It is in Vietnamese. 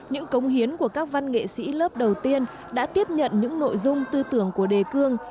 những công hiến của các văn nghệ sĩ lớp đầu tiên đã tiếp nhận những nội dung tư tưởng của đề cương